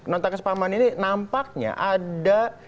nota kesepahaman ini nampaknya ada